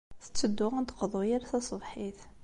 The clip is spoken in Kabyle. Tetteddu ad d-teqḍu yal taṣebḥit.